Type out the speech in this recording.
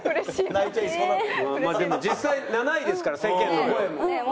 でも実際７位ですから世間の声も。